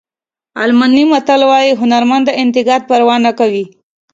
الماني متل وایي هنرمند د انتقاد پروا نه کوي.